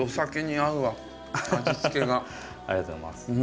ありがとうございます。